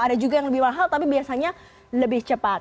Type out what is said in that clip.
ada juga yang lebih mahal tapi biasanya lebih cepat